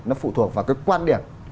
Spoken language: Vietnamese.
nó phụ thuộc vào cái quan điểm